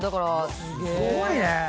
すごいね！